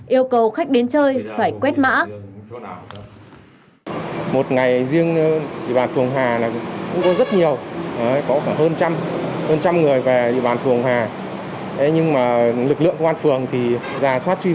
yêu cầu khách đến chơi phải quét mã